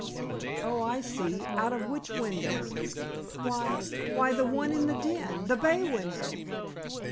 "Oh, I see. Out of which window?" "Why—why, the one in the den—the bay window."